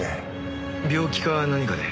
病気か何かで？